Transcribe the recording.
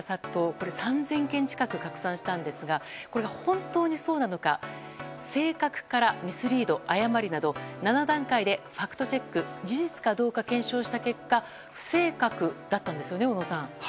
これ３０００件近く拡散したんですがこれが本当にそうなのか正確からミスリード、誤りなど７段階でファクトチェック事実かどうか検証した結果不正確だったんですよね小野さん。